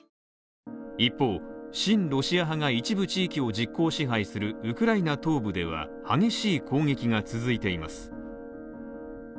一方、親ロシア派が一部地域を実効支配するウクライナ東部では、激しい攻撃が続いています。